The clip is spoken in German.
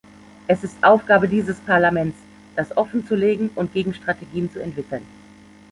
Es ist Aufgabe dieses Parlaments, das offenzulegen und Gegenstrategien zu entwickeln.